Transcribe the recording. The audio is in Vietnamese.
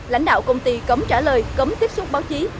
lãnh đạo công ty cấm trả lời cấm tiếp xúc báo chí